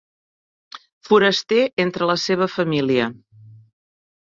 Foraster entre la seva família